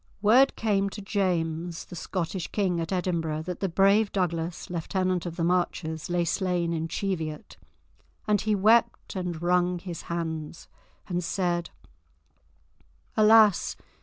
Word came to James the Scottish king at Edinburgh, that the brave Douglas, Lieutenant of the Marches, lay slain in Cheviot, and he wept and wrung his hands, and said, "Alas!